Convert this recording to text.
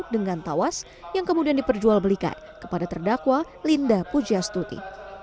dengan tawas yang kemudian diperjualbelikan kepada terdakwa linda pujastuti